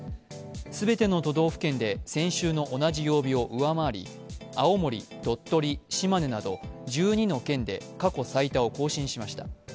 全ての都道府県で先週の同じ曜日を上回り青森、鳥取、島根など１２の県で過去最多を更新しました。